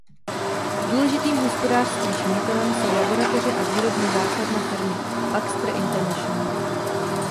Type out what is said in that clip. Důležitým hospodářským činitelem jsou laboratoře a výrobní základna firmy Baxter International.